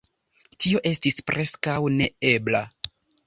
Tio estis preskaŭ neebla!